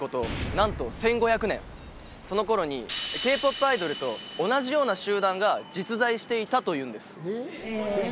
なんと１５００年その頃にＫ−ＰＯＰアイドルと同じような集団が実在していたというんです